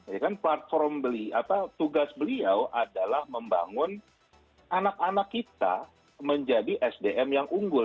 ya kan platform beli apa tugas beliau adalah membangun anak anak kita menjadi sdm yang unggul